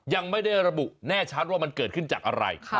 ยังไม่ได้ระบุแน่ชัดว่ามันเกิดขึ้นจากอะไร